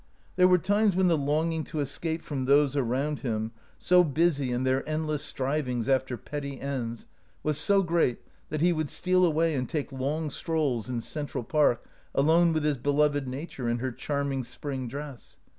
There were times when the longing to escape from those around him, so busy in 207 OUT OF BOHEMIA their endless strivings after petty ends, was so great that he would steal away and take long strolls in Central Park alone with his beloved Nature in her charming spring dress.